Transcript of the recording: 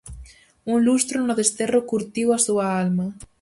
Un lustro no desterro curtiu a súa alma.